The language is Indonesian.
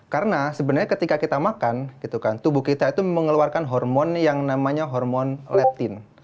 karena sebenarnya ketika kita makan gitu kan tubuh kita itu mengeluarkan hormon yang namanya hormon leptin